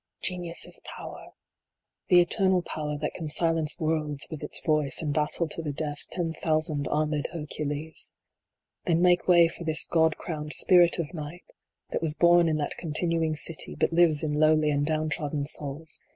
Genius is power. The eternal power that can silence worlds with its voice, and battle to the death ten thousand armed Her cules. Then make way for this God crowned Spirit of Night, that was born in that Continuing City, but lives in lowly and down trodden souls